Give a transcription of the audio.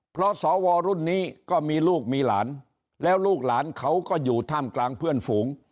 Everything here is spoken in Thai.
เพราะสวรุ่นนี้ก็มีลูกมีหลานแล้วลูกหลานเขาก็อยู่ท่ามกลางเพื่อนฝูง